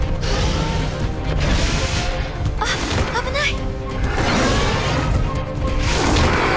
あっ危ない！